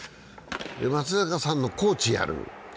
松坂さんのコーチ、やる。